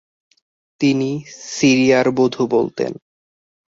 তিনি “সিরিয়ার বধু” বলতেন।